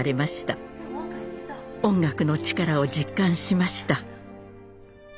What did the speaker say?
音楽の力を実感しました。